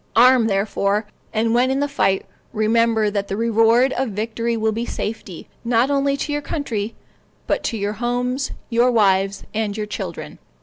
Arm, therefore; and when in the fight, remember that the reward of victory will be safety, not only to your country, but to your homes, your wives, and your children."